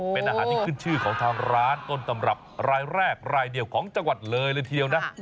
เป็นอาหารที่ขึ้นชื่อของทางร้านต้นตำรับรายแรกรายเดียวของจังหวัดเลยเลยทีเดียวนะ